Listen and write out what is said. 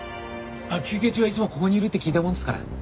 休憩中はいつもここにいるって聞いたもんですから。